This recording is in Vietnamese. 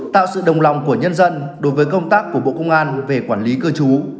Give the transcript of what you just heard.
tạo sự đồng lòng của nhân dân đối với công tác của bộ công an về quản lý cư trú